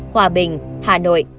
hòa bình hà nội